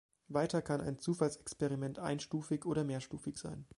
Weiter kann ein Zufallsexperiment "einstufig" oder "mehrstufig" sein.